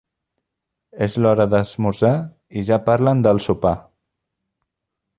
És l'hora d'esmorzar i ja parlen del sopar.